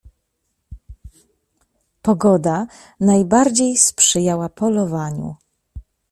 "Pogoda najbardziej sprzyjała polowaniu."